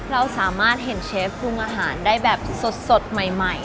เราสามารถเห็นเชฟปรุงอาหารได้แบบสดใหม่